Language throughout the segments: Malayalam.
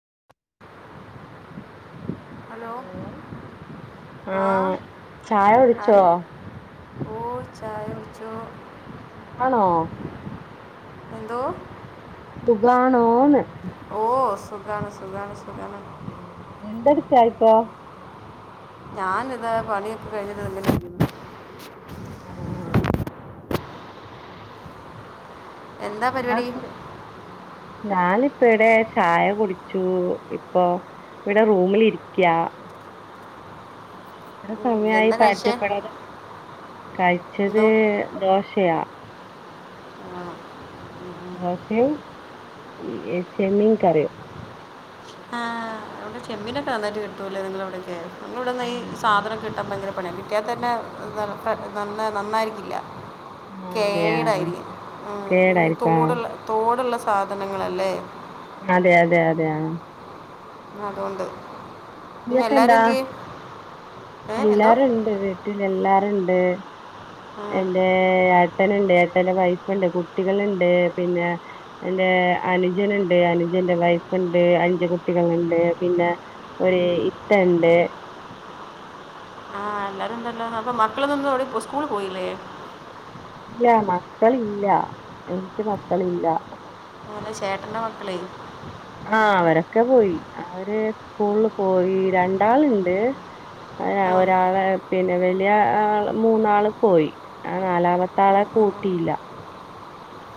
[inaudible] ഹലോ ആ ആഹ് ചായ കുടിച്ചോ അറി ഓ ചായകുടിച്ചോ ആണോ എന്തോ സുഗാണോന്ന് ഓ സുഖാണ് സുഖാണ് സുഖാണ് എന്തെടുത്തയാ ഇപ്പോ ഞാനിതാ പണിയൊക്കെ കഴിഞ്ഞിട്ട് തിണ്ണക്ക് ഇരിക്കുന്നു ആ എന്താ പരിപാടി ക്ലാസ് ഞാനിപ്പ ഇവിടെ ചായ കുടിച്ചു ഇപ്പൊ ഇവിടെ റൂമിൽ ഇരിക്കയാ എത്ര ഉം, സമയമായി എന്താ കഴിച്ചേ പരിചയപ്പെടാതെ കഴിച്ചത് എന്തോ ദോശയാ ആ, ഉം. മോശയും ചെമ്മീൻ കറിയും ആ് ഇവിടെ ചെമ്മീിനൊക്കെ നന്നായിട്ട് കിട്ടൂലേ നിങ്ങളവിട നി ഇവിടെന്ന് ഈ ആഹ് അതെ സാധനൊക്കെ കിട്ടാൻ ഭയങ്ക അപ്പണ കിറ്റിയാ തന്നെ നന്നായിരിക്കില്ല ആഹ് അതെയ കേടായിരിക്ക കേടായിരിക്കും തോടുള്ള ആഹ് തോടുള്ള സാധനങ്ങളല്ലേ അതെ അതെ അതെ ആ എന്നതുകൊണ്ട് നൊക്കെ എന്താ ഏ എന്തോ എല്ലാരുുംണ്ട് വീട്ടിൽ എല്ലാര ഉം. എ ട്ടനണ്ട് വൈഫുണ്ട് കുട്ടികളുണ്ട് പിന്നെ എ അനുജൻുണ്ട് അനുജന്റെ വൈഫ് ണ്ട് അഞ്ച്ു കുട്ടികൾുണ്ട് പിന്നെ ഒരു ഇത്ത ഉണ്ട് ആഹ എല്ലാരും എന്തല്ല അപ്പൊ മക്കളന്നൊന്നും ടി സ്കൂൾ പോയില്ലേ ഇല്ല മക്കളില്ല എനിക്ക് മക്കളില്ല മന്ന് ചേട്ടന്റെ മക്കളേ ആഹ അവരൊക്കെ പോയി അവര് സ്കൂളിൽ പോയി രണ്ടാളുണ്ട് അതാ ആ ഒരാള പിന്നെ വ മൂന്നാള് പോയി ആ നാലാമത്തെ ആളെ കൂട്ടിയില്ല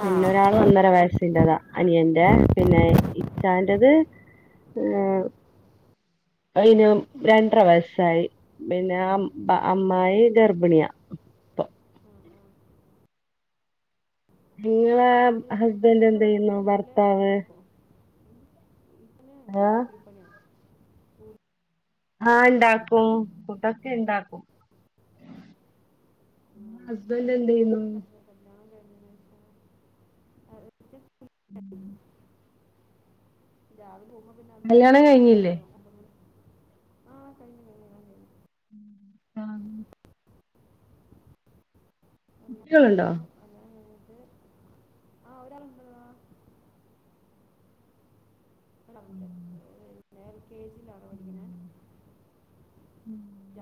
പിന്നൊരാള് ഒന്നര വയസ്സിറതാ അനിയന്റെ പിന്നെ ഇച്ചാന്റദ് ഏ ഉ അയിന് രണ്ടര വയസ്സായി പിന്നെ അ അമ്മായി ഗർഭിണിയ നിങ്ങളെ രാവിലത്തെ ഹസ്ബന്ഡ് എന്ത ഉച്ചത്തേക്കുള്ളതൊക്കെ ചെയ്യുന്നു തന്നെ രാവിലെ ഭർത്താവ് ഉണ്ടാക്കും ഉം. ഇതിന് ആഹ കുരിപ്പണിയാണ് ആഹ് ഉണ്ടാക്കും പുതൊക്കെ ഉണ്ടാക്കും നിമ ഹസ്ബൻഡ് എന്ത് ചെയ്യുന്നു ഞാനൊക്കെ കല്യാ- കല്യാണം കഴിഞ്ഞതിന് ശേഷം ഉം കല്യാണം കഴിഞ്ഞില്ലേ [unintelligible] ഉം ആഹ കുട്ടികളുണ്ടോ ഒണ്ട് [unintelligible] എൽ കെ ജി ഉം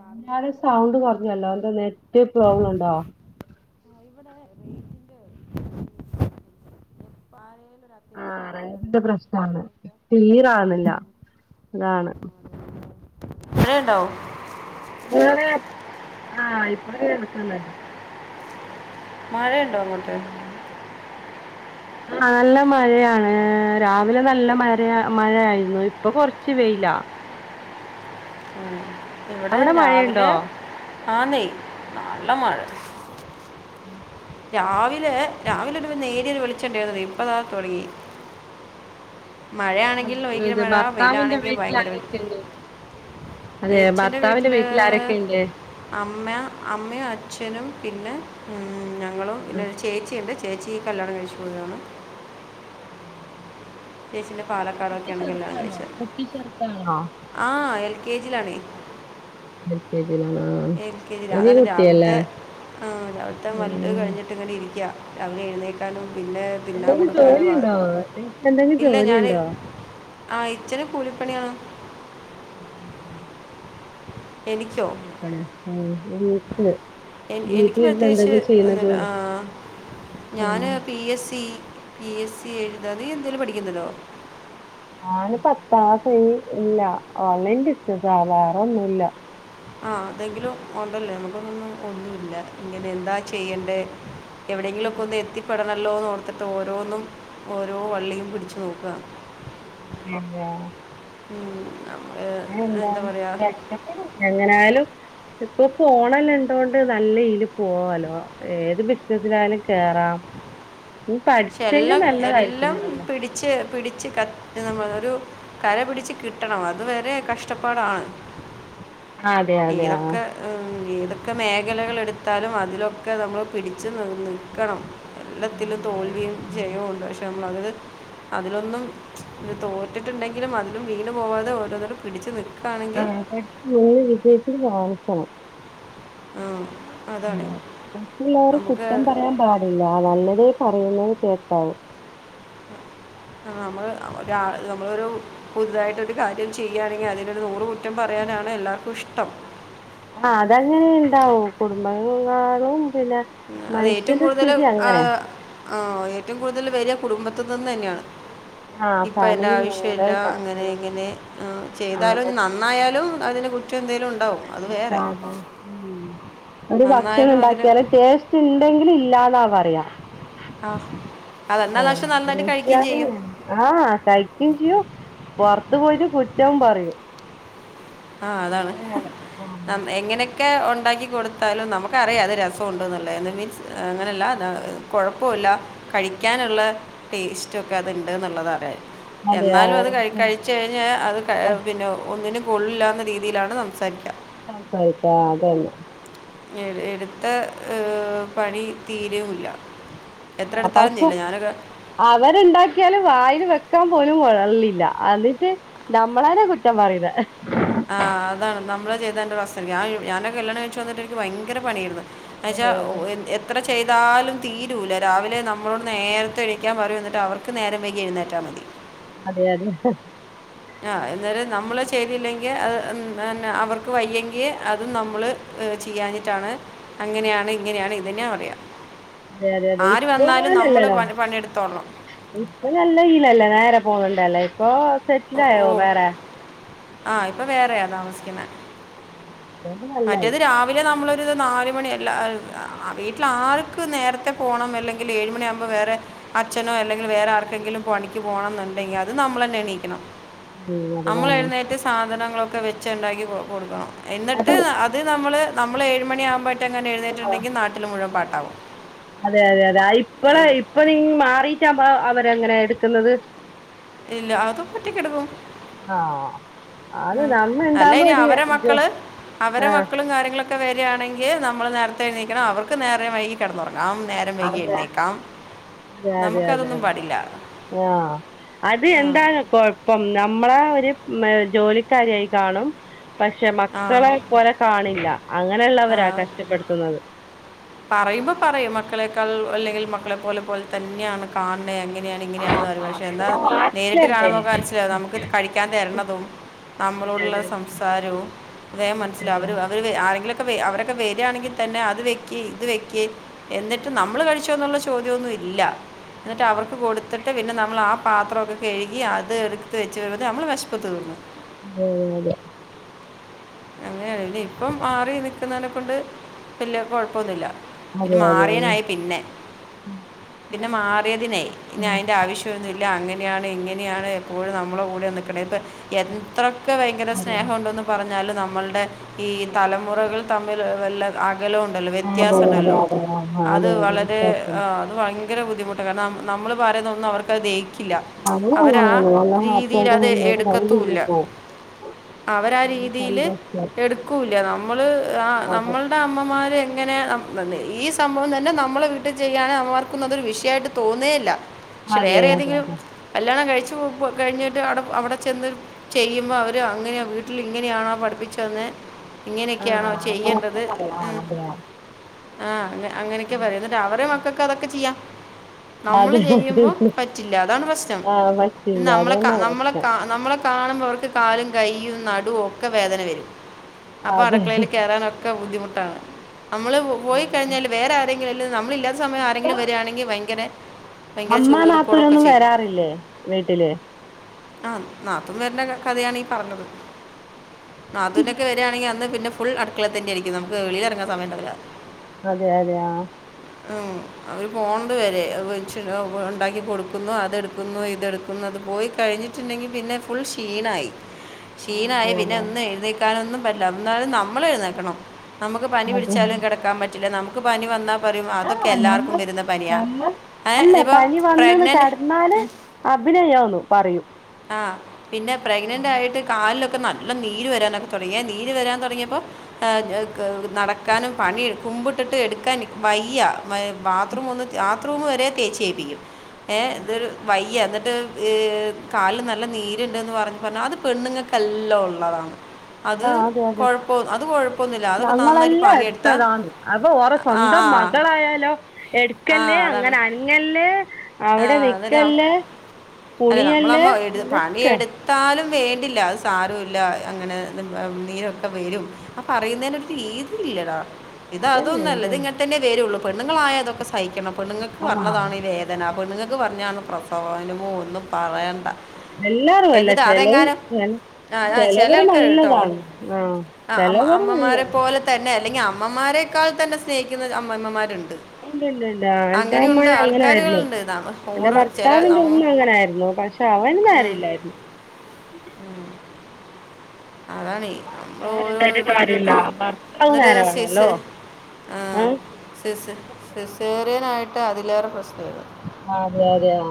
മുന്നാല് സൗണ്ട് കൊറഞ്ഞല്ലോ എന്താ നെറ്റ് പ്രോബ്ലം ഉണ്ടോ ഇവിടെ റേജിന്റെ [unintelligible] പ്പാല് ആ റേജിന്റെ പ്രശ്നമാണ് ക്ലിയർ ആവണില്ല അതാണ് മഴയുണ്ടോ ആ ആ ഇപ്പ കേക്കണുണ്ട് മഴ ഉണ്ടാേ അങ്ങോട്ട് നല്ല മഴയാണ് രാവിലെ നല്ല മഴ മഴയായിരുന്നു ഇപ്പൊ കൊറച്ച് വെയ് ല്ലാ ഉം ഇവിടെ അവിടെ രാവിലെ മഴയുണ്ടോ ആന്നെ നല്ല മഴ ഉം രാവിലെ രാവിലെ ഒരു വെ നേരിയ വെളിച്ചൊണ്ടായിരുന്നത് ഇപ്പതാ തുടങ്ങി അത് മഴയാണെങ്കിൽ ഭയങ്കര ഇത് മഴ ഭർത്താവിന്റെ വെയിലാണെങ്കി വീട്ടിൽ ഭയങ്കര വെയ്ല് ആരൊക്കെയുണ്ട് അതെ എച്ചന്റെ ഭർത്താവിന്റെ വീട്ടില് വീട്ടിൽ ആരൊക്കെയുണ്ട് അമ്മ അമ്മയും അച്ഛനും പിന്നെ ഞങ്ങൾ പിന്നെരു ചേച്ചിയുണ്ട് ചേച്ചി കല്യാണം കഴിച്ചു പോയതാണ് ചേച്ചിന്റെ കുട്ടി പാലക്കാടൊക്കെയാണ് കല്യാണം ചെറുതാണോ കഴിച്ചത് കുട്ടി ചെറുതാണോ ആ അയൽ കേജിലാണ് എൽ കെ ജിയിലാണ് ആഹ് എ ഒരു കെഅതാണ് കുട്ടിയല്ലേ രാവിലത്തെ ആ രാവിലത്തെ മല്ല് ഉം കഴിഞ്ഞിട്ട് ഇങ്ങനെ ഇരിക്കയാ രാവിലെ എഴുന്നേക്കാനും പിന്നെ തിന്നാൻ എന്തെങ്കിലും കൊടുക്കാന് വ ജോലിയുണ്ടോ നിനക്ക് എന്തെങ്കിലും ഇല്ല ഞാന് ജോലിയുണ്ടോ ആഹ ഇച്ചന് കൂലിപ്പണിയാണ് ഉം ഉം എനിക്കോ കൂലിപ്പണി ഉം ഗൾഫില് എ എനിക്ക് പ്രത്യേകിച്ച് ഒന്നുല്ല ആ ഉം ഞാന് P S C P S C എഴുതാ നീ എന്തേലും പഠിക്കുന്നണ്ടോ ഞാന് പത്താം കയിഞ്ഞ് ഇല്ല ഓൺലൈൻ ബിസ്സിനസ്സാ വേറൊന്നും ഇല്ലാ ആ അതെങ്കിലും ഒണ്ടല്ലേ നമുക്കൊന്നും ഒന്നും ഇല്ല ഇങ്ങനെ എന്താ ചെയ്യണ്ടേ എവിടെയെങ്കിലും ഒക്കെ ഒന്ന് എത്തിപ്പെടണമല്ലോന്ന് ഓർത്തിട്ട് ഓരോന്നും ഓരോ വള്ളിയും പിടിച്ച് നോക്കുവാ ഉം ആ എന്തായാലും എത്തിപ്പെടണല്ലേ എങ്ങനെയാല്ലും ഇപ്പൊ പോണല്ല ഇണ്ടൊണ്ട് നല്ല രീതിൽ പോവാല്ലോ ഏത് ബിസിനസിലായാലും കേറാം ഉം പക്ഷെ പഠിച്ചെങ്കി എല്ലാം നല്ലതായിരിക്കും എല്ലാം നല്ല പിടിച്ച് പിടി ച്ച് ക ഒരു കര പിടിച്ച് കിട്ടണം അത് വരെ കഷ്ടപ്പാടാണ് അതെ അതെ ആഹ് ഏതൊക്കെ മ്.. ഏതൊക്കെ മേഖലകൾ എടുത്താലും അതിലൊക്കെ നമ്മൾ പിടിച്ച് നി നിൽക്കണം എല്ലാത്തിലും അതെ അതെ തോൽവിയും ജയവും ഒണ്ട് പക്ഷേ നമ്മളത് അതിലൊന്നും തോറ്റിട്ടുണ്ടെങ്കിലും അതിലും വീണ് പോവാതെ ഓരോന്നായിട്ട് പിടിച്ചു നി ആ അതെ [unintelligible] വിജയിച്ച് കാണിക്കണം ആ മറ്റുള്ളവർ കുറ്റം പറയാൻ പാടില്ല നല്ലതേ പറയുള്ളൂ കേ ക്കാവു നമ്മൾ ഒ നമ്മളൊരു പുതുതായിട്ടൊരു കാര്യം ചെയ്യുകയാണെങ്കിൽ അതിനൊരു നൂറ് കുറ്റം പറയാനാ ആണ് എല്ലാവർക്കും ഇഷ്ടം ആ അതങ്ങനെ ഇണ്ടാവും കുടുംബങ്ങളും പിനന്നെ മനുഷ്യന്റെ സ്ഥിതി അങ്ങനെ ആ ഏറ്റവും കൂടുതൽ വെരിയ കുടുംബത്ത് നിന്ന് തന്നെയാണ് ആഹ് ഇപ്പയിന്റെ ഫാമിലി ആവശ്യല്ല അങ്ങനെ ഇങ്ങനെ ചെയ്താലും ആഹ് നന്നായാലും അതിനെ കുറ്റം എന്തെങ്കിലും ഉണ്ടാവും അത് വേറെ ഒരു ഭക്ഷണം നന്നായാലും അതിന് ഉണ്ടാക്കിയാല് ടേസ്റ്റ് ണ്ടെങ്കിലും ഇല്ലാന്നാ പറയാ ആ അത് എന്നാൽ പക്ഷെ നന്നായിട്ട് കഴിക്കുകയും ചെയ്യും ആ കഴിക്കും ചെയും അത്ത് പോയിട്ട് കുറ്റവും പറയും ആ അതാണ് എങ്ങനെ ഒക്കെ ഉണ്ടാക്കി കൊടുത്താലും നമുക്കറിയാം അത് രസമുണ്ടോന്ന് എന്ന് മീൻസ് അങ്ങനെയല്ല കുഴപ്പ കഴിക്കാനുള്ള ടേസ്റ്റ് ഒക്കെ അത്ണ്ട് എന്നുള്ളത് അറിയും അതെ എന്നാലും അത് ക കഴിച്ച കഴിഞ്ഞ അത് പിന്നെ ഒന്നിനും കോളി ഇല്ലാ എന്ന രീതിയിലാണ് സംസാരിക്കുക ആ ആയിത്താ അതന്നെ എടുത്ത ഏ പണി തീരെയില്ല ആ പക്ഷെ അവരുണ്ടാക്കിയാല് വായിൽ വെ വക്കാൻ പോലും കൊഴില്ല എന്നിട്ട് നമ്മളാരെ കുറ്റം പറയിന്നെ ആ അതാണ് നമ്മള് ചെയ്തതിന്റെ പ്രശ്ന ഞാ ഞാനൊക്കെ കല്യാണം കഴിച്ചു വന്നിട്ട് എനിക്ക് ഭയങ്കര പണിയാരുന്നു എന്നച്ചാ അതെ ഓ അതെ എത്ര ചെയ്താലും. തീരൂല്ല രാവിലെ നമ്മളോട് നേരത്തെ എണീക്കാൻ പറയും. എന്നിട്ട് അവർക്ക് നേരം വൈകി എഴുന്നേറ്റാ മതി. അതെ അതെ ആ അന്നേരം നമ്മള് ചെയ്തില്ലെങ്കി അ അ ന്നെ അവർക്ക് വയ്യെങ്കി അതും നമ്മള് ഏഹ് ചിയ്യാഞ്ഞിട്ടാണ് അങ്ങനെയാണ് ഇങ്ങനെയാണ് ഇതന്നെ പറയാ. അതെ അതെ അതെ ഇപ്പ അങ്ങനല്ലല്ലോ പണി പണിയെടുത്തോളണം ഇപ്പൊ നല്ല ഈലല്ല നേരെ പോണണ്ടല്ലേ ഇപ്പൊ സെറ്റിലായോ? വേറെ ആഹ് ഇപ്പൊ വേറെയാ താമസിക്കുന്നേ [inaudible] നല്ലായി മറ്റേത് രാവിലെ നമ്മള് ഇത് നാല് മണി എല്ലാ വീട്ടില് ആൾക്ക് നേരത്തെ പോണം അല്ലെങ്കില് ഏഴുമണിയാവുമ്പം വേറെ അച്ഛനോ അല്ലെങ്കില് വേറെ ആർക്കെങ്കിലും പണിക്ക് പോണന്നുണ്ടെങ്കി അത് നമ്മള് തന്നെ എണീക്കണം. നമ്മള് എഴുന്നേറ്റ് സാധനങ്ങളൊക്കെ വെച്ച് ഉണ്ടാക്കി കൊടുക്കണം. ട്ട് അപ്പൊ അത് നമ്മള് നമ്മള് ഏഴുമണിയാവുമ്പോഴട്ട്ങ്ങനെ എഴുന്നേറ്റിട്ടുണ്ടെങ്കില് നാട്ടിൽ മുഴുവൻ പാട്ടാവും. അതെ അതെ അതെ ഇപ്പളെ എ- ഇപ്പ നീയിങ് മാറീട്ടാവുമ്പ അവരെ എങ്ങനെ എടുക്കുന്നത് ഇല്ല അതും ഒറ്റക്കെടുക്കും. ആഹ് അത് ആഹ് നമ്മ അല്ല ഇണ്ടാവുമ്പോ ഇനി ഒരു അവരെ ജോ മക്കള് അവരെ ആഹ് മക്കളും കാര്യങ്ങള ക്കെ വരാണെങ്കിൽ നമ്മള് നേരത്തെ എണീക്കണം അവർക്ക് നേരെ വൈകി കെടന്നൊറ നാം നേരംവൈകി അതെ എഴ്ന്നേക്കാം അതെ അതെ അതെ അതെ ആ അത് ഉം. എന്താണ് കൊഴപ്പം മ്മളെ ഒരു മ് ജോലിക്കാരിയായി കാണും പക്ഷെ ആ മക്കളെ പോലെ കാണില്ല. ആ അങ്ങനെള്ളവരാ കഷ്ടപ്പെടുത്തുന്നത്. പറയുമ്പോൾ പറയും മക്കളെക്കാൾ അല്ലെങ്കിൽ മക്കളെ പോലെ പോലെ തന്നെയാണ് കാണ് ണെ അങ്ങനെയാണ് ഇങ്ങനെയാണ് ന്ന് പറയും പക്ഷെ എന്നാ നേരിട്ട് നാട്ടിലല്ലേ കാണുമ്പോ [unintelligible] നമുക്ക് കഴിക്കാൻ തര്ണതും അതെ നമ്മളോടുള്ള അതെ സംസാരവും വേം മനസ്സിലാവും അതെ അവര് അവര് ആരെങ്കിലു ക്കെ അവരൊക്കെ വരാണെങ്കി തന്നെ അത് വെക്ക് ഇത് വെക്ക് എന്നിട്ട് നമ്മൾ കഴിച്ചോ എന്നുള്ള ചോദ്യാന്നും ഇല്ല. ഇന്നിട്ട് അവർക്ക് കൊടുത്ത് ട്ട് പിന്നെ നമ്മൾ ആ പാത്രൊക്കെ കഴുകി അത് എടുത്ത് വെച്ച് വരുമ്പോ നമ്മടെ വിശപ്പ് തീർന്നു. ഉം അതെ. അങ്ങനെയണല്ലെ ഇപ്പം മാറി നിക്ക്ണേനക്കൊണ്ട് വല്യ കൊഴപ്പൊന്നുല്ല ഇത് അതെ അതെ അതെ അതെ അതെ അതെ മാറ്‌യെയ്നായി പിന്നെ പിന്നെ മാറിയതിനേയ് ഇനി അയ്ന്റെ ആവശ്യന്നു ല്ല അങ്ങനെയാണ് ഇങ്ങനെയാണ് എപ്പോഴും നമ്മളെ കൂടെ നിക്കണ്ട് ഇപ്പ എത്ര ക്കെ ഭയങ്കര അതെ അതെ അതെ സ്നേഹം ഉണ്ടെന്ന് പറഞ്ഞാലും നമ്മൾടെ ഈ തലമുറകൾ തമ്മിൽ വല്ല ആ കലോണ്ടല്ലോ വ്യത്യാസം ഇണ്ടല്ലോ അതെ അത് അതെ വളരെ അതെ അതെ ആ അത് വയ ഭയങ്കര ബുദ്ധിമുട്ടാ കാരണം നമ്മള് പറയന്നതൊന്നും അവർക്കത് ദേ ക്കില്ല അവരാ ആ നമ്മളങ്ങനെയൊന്നുല്ല നല്ല ഹാപ്പി രീതീല് ആയിട്ട് അത് മുന്നോട്ട് നല്ല രീതിയിൽ എടുക്കത്തുല്ല. പോവും അവരാ നല്ല രീതിയില് സന്തോഷത്തില് എടുക്കൂല്ല നമ്മള് ആ അല്ലാതെ നമ്മൾടെ അമ്മമാ അത് എങ്ങനെ ഈ സംഭവം തന്നെ നമ്മള വീട്ടി ചെയ്യാന്നേ അവർക്കതൊരു വിഷയആയിട്ട് തോന്നേല്ല. പക്ഷെ അതെ വേറെ അതെ ഏതെങ്കിലും അതെ കല്യാണം കഴി ച്ചു കഴിഞ്ഞിട്ട് അവിടെ അവിടെ ചെന്ന് ചെയ്യുമ്പോ അവര് അങ്ങനെ വീട്ടിലിങ്ങനെയാണോ പഠിപ്പിച്ചത്. [unintelligible] ആഹ് ഇങ്ങനെയൊക്കെയണോ അങ്ങനൊക്കെ ചെയ്യേണ്ടത്? പറയാ ആഹ് ങ്ഹ് അതെ ആഹ് അങ്ങ അങ്ങനൊക്കെ പറയും. എന്നിട്ട് അവരടെ മക്കക്ക് അതൊക്കെ ചെയ്യാം. നമ്മള് ചെയ്യുമ്പോ അതെ പറ്റില്ല. അതാണ് പ്രശ്നം. ആഹ് പറ്റില്ല നമ്മളെ കാ അതന്നെ നമ്മളെ പ്രശ്നം കാ നമ്മളെ കാണുമ് പം അവർക്ക് കാലും കൈയും നടുവും ഒക്കെ വേദന വരും. അപ്പൊ അതെ അടുക്കളേൽ കയറാനൊക്കെ ബുദ്ധിമുട്ടാണ്. നമ്മള് പോയി കഴിഞ്ഞാല് വേറെ ആരെങ്കിലും അല്ലെങ്കിൽ നമ്മളില്ലാത്ത സമയം ആരെങ്കിലും വരിയാണെങ്കിൽ ഭയങ്കര ഭയങ്കര അമ്മ ചുറുചുറുക്കോടൊക്കെ നാത്തൂനൊന്നും ചെയ്യും വരാറില്ലേ വീട്ടില്? ആഹ് നാത്തൂൻ വരുന്ന കഥയാണ് ഈ പറഞ്ഞത്. നാത്തൂനൊക്കെ വരയാണെങ്കിൽ അന്ന് പിന്നെ ഫുൾ അടുക്കളേ തന്നെയാരിക്കും. നമുക്ക് വെളിലിറങ്ങാൻ സമയണ്ടാവില്ല. അതെ അതെയ ഉ അവര് പോണ്ട വരെ ഉണ്ടാക്കി കൊടുക്കുന്നു അതെടുക്കുന്നു ഇതെടുക്കുന്നു അത് പോയി കഴിഞ്ഞിട്ടുണ്ടെങ്കിൽ പിന്നെ ഫുൾ ഷീണായി ക്ഷീണായി അതെ പിന്നെ അതെ അതെ ഒന്നും എഴുന്നേക്കാനൊന്നും പറ്റില്ല എന്നാലും നമ്മൾ എഴുന്നേക്കണം നമുക്ക് പനി അതെ പിടിച്ചാലും കിടക്കാൻ പറ്റില്ല നമുക്ക് പനി വന്നാ പറയും അതൊക്കെ ആഹ് നമ്മ എല്ലാവർക്കും വരുന്ന പനിയാണ് നമ്മ ഏഹ് അല്ല ഇപ്പോൾ പനി വന്നന്ന് പ്രഗ്നൻ്റ് കടന്നാല് അഭിനയന്നു പറൂ ആ പിന്നെ പ്രെഗ്നന്റ് ആയിട്ട് കാലിലൊക്കെ നല്ല നീര് വരാനൊക്കെ തുടങ്ങിയാൽ നീര് വരാൻ തുടങ്ങിയപ്പോൾ നടക്കാനും പണി കുമ്പിട്ടിട്ട് എടുക്കാൻ വയ്യ ബാത്റൂം ഒന്ന് ബാത്റൂം വരെ തേച്ചേപ്പിക്കുംഏ ഇതൊരു വയ്യ എന്നിട്ട കല് നല്ല നീരുണ്ടന്ന് പറഞ്ഞഞ് പറഞ്ഞ അത് പെണ്ണുങ്ങൾക്കെല്ലാം ഉള്ളതാണ് അത് അതെ അതെ കൊഴപ്പ അത് കൊഴപ്പൊന്നുംില്ല അതൊക്കെ നന്നായിട്ട് ഞങ്ങളെല്ലാം പാനിയെടുത്താ എടുത്തതാന്ന് അപ്പൊ ഓറെ ആ സ്വന്തം ആ മകളായാലോ ആ എടുക്കല്േ അതാണ് അങ്ങനെ അനങ്ങല്ലേ അവിടെ നിക്കല്േ അല്ലെ നമ്മളമ്മ എ പണിയ എടുത്താലും വേണ്ടില്ല അത് സാര ഇല്ല അങ്ങനെ നീരൊക്കെ വരും ആ പറയുന്നതിന് ഒരു രീതിയില്ലടാ ഇത അതന്നെ അതൊന്നുംല്ലത് അതാണ് ഇങ്ങനട്ട തന്നെ വേരുയള്ളൂ പെണ്ണുങ്ങളായ അതൊക്കെ സഹിക്കണം പെണ്ണുങ്ങൾക്ക് ആഹ് പറഞ്ഞതാണ് ഈ വേദന പെണ്ണുങ്ങൾക്ക് പറഞ്ഞാണ് പ്രസവനമോ ഒന്നും പറയേണ്ട എല്ലാരും അല്ല എന്നിട്ടാ ചെലവ് അതെങ്ങാനും ചെല ആ ആ ചില ചെലവര് ആൾക്കാരു നല്ലതാണ് ആഹ് ആ ചെലവര് അമ്മമാരെ നല്ലതാ പോലെ തന്നെ അല്ലെങ്കിൽ അമ്മമാരേക്കാൾ തന്നെ സ്നേഹിക്കുന്ന അമ്മമ്മമാരുണ്ട് ഉണ്ട് ഉണ്ട് ഉണ്ട് ആന്റെ അമ അങ്ങനെയുണ്ട് അങ്ങനൊയിരുന്നു ആൾക്കാരുകളുണ്ട് നമ്മ എന്റെ ഓരോ ചില ഭർത്താവിറെ നം ഉമ്മ അങ്ങനൊയിരുന്നു പക്ഷെ അവന വറില്ലായിരുന്നു ഉം അതാാണ്ീ നമ്മള് ഓരോ നേരണ്ടായിട്ട് എന്തട്ട കാര്യല്ല ഭർത്താവ് എന്നട്ട നേരെ വേണല്ലോ സീസ് ആ ആഹ് സിസേറിയന ആായിട്ട് അതിലേറെ പ്രശ്ന വരുന്നു അതെ അതെ ആഹ്